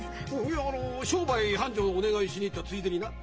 いやあの商売繁盛のお願いしに行ったついでにな。